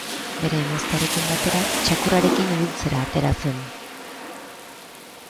Bere emaztearekin batera txakurrarekin ibiltzera atera zen.